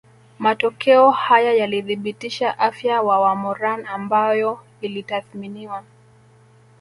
Matokeo haya yalithibitisha afya wa wamoran ambayo ilitathminiwa